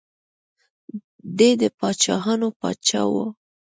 دی د پاچاهانو پاچا و.